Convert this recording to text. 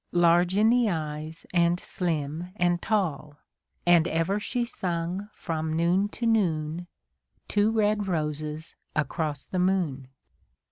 Large in the eyes, and slim and tall ; And ever she sung from noon to noon, Txvo red roses across the moon.